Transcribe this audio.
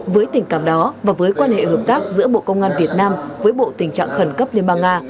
với tình cảm đó và với quan hệ hợp tác giữa bộ công an việt nam với bộ tình trạng khẩn cấp liên bang nga